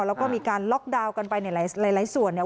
แล้วก็มีการล็อกดาวน์กันไปในหลายส่วนเนี่ย